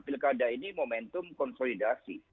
pilih kada ini momentum konsolidasi